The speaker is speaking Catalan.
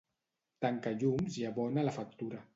Tanca llums i abona la factura.